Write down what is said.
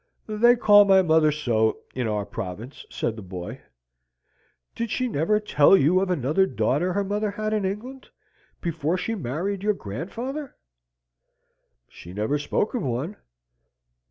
"They call my mother so in our province," said the boy. "Did she never tell you of another daughter her mother had in England, before she married your grandfather?" "She never spoke of one."